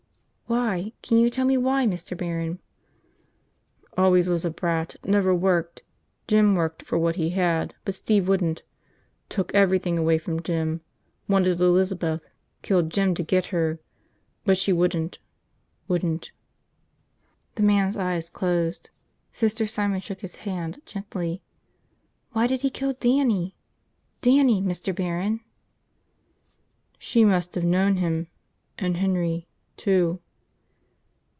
"Why? Can you tell me why, Mr. Barron?" "Always was a brat, never worked. Jim worked for what he had, but Steve wouldn't. Took everything away from Jim. Wanted Elizabeth, killed Jim to get her ... but she wouldn't ... wouldn't ..." The man's eyes closed. Sister Simon shook his hand gently. "Why did he kill Dannie? Dannie, Mr. Barron?" "She must have known him ... and Henry ... too.